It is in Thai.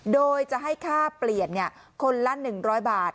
โดยจะให้ค่าเปลี่ยนคนละ๑๐๐บาท